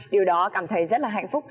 điều đó cảm thấy rất là hạnh phúc